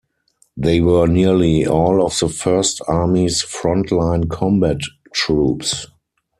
They were nearly all of the First Army's front-line combat troops.